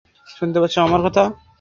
শুনতে পাচ্ছো আমার কথা?